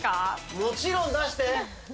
もちろん出して。